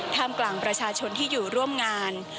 กลางประชาชนที่อยู่ร่วมงาน